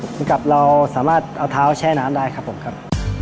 แล้วก็เราสามารถเอาเท้าแช่น้ำได้ครับครับ